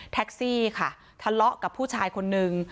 แท็กซี่ค่ะทะเลาะกับผู้ชายคนนึง